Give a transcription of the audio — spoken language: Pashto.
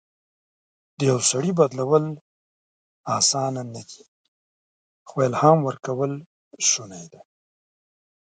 د یو سړي بدلول اسانه نه دي، خو الهام ورکول شونی ده.